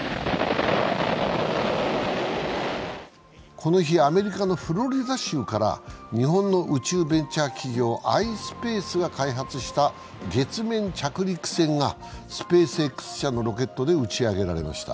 この日、アメリカのフロリダ州から日本の宇宙ベンチャー企業ｉｓｐａｃｅが開発した月面着陸船がスペースＸ社のロケットで打ち上げられました。